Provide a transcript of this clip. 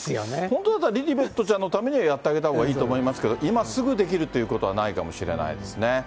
本当だったら、リリベットちゃんのためにやってあげたほうがいいと思いますけど、今すぐできるということはないかもしれないですね。